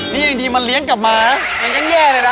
นี่ยังดีมาเลี้ยงกับหมายังยังเยี่ยมเลยนะ